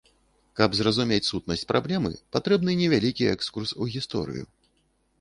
Каб зразумець сутнасць праблемы, патрэбны невялікі экскурс у гісторыю.